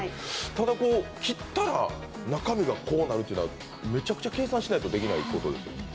ただ、切ったら中身がこうなるというのはめちゃくちゃ計算しないとできないことですよね。